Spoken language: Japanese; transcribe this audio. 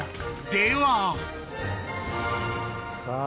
ではさぁ。